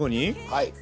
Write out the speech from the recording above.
はい。